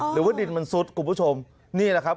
หรือว่าดินมันซุดคุณผู้ชมนี่แหละครับ